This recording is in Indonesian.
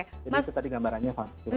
jadi itu tadi gambarannya